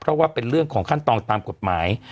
เพราะว่าเป็นเรื่องของขั้นตอนตามกฎหมาย